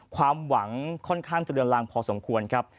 ความหวังค่อนข้างจะเรือนลางพอสมควรครับ